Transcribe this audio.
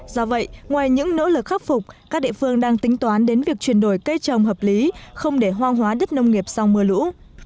do vậy ngoài những nỗ lực khắc phục các địa phương đang tính toán đến việc chuyển đổi cây trồng hợp lý không để hoang hóa đất nông nghiệp sau mưa lũ